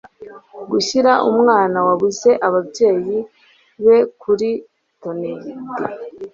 gushyira umwana wabuze ababyeyi be kuru toned